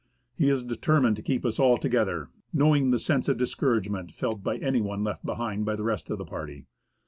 He is determined to keep us all together, knowing the sense of discouragement felt by any one left behind by the rest of the party.